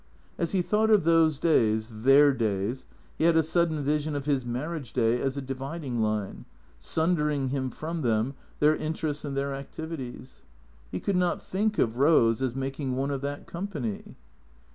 As he thought of those days, their days, he had a sud den vision of his marriage day as a dividing line, sundering him from them, their interests and their activities. He could not think of Eose as making one of that company.